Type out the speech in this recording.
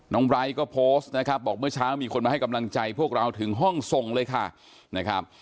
ไบร์ทก็โพสต์นะครับบอกเมื่อเช้ามีคนมาให้กำลังใจพวกเราถึงห้องทรงเลยค่ะนะครับ